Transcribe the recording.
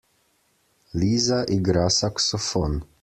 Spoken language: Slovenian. Liza igra saksofon.